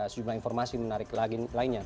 sejumlah informasi menarik lainnya